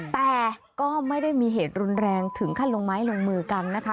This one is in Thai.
แต่ก็ไม่ได้มีเหตุรุนแรงถึงขั้นลงไม้ลงมือกันนะคะ